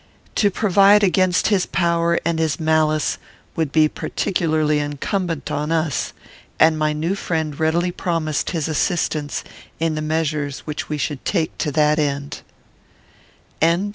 To provide against his power and his malice would be particularly incumbent on us, and my new friend readily promised his assistance in the measures which we should take to that end.